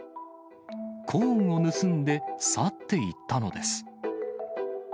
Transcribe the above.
コーンを盗んで、去っていったのです。